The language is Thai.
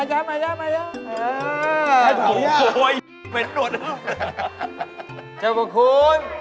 เจ้าบ่คุณ